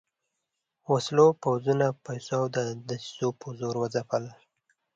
وسلو، پوځونو، پیسو او دسیسو په زور وځپل.